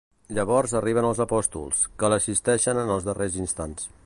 Llavors arriben els apòstols, que l’assisteixen en els darrers instants.